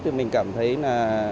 thì mình cảm thấy là